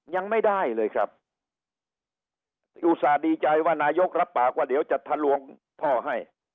ยังไม่ได้เลยครับอุตส่าห์ดีใจว่านายกรับปากว่าเดี๋ยวจะทะลวงท่อให้